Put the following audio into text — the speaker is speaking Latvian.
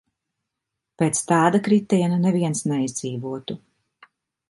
Pēc tāda kritiena neviens neizdzīvotu.